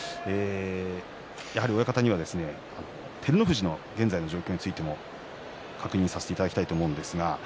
やはり親方には照ノ富士の現在の状況についても確認させていただきたいと思います。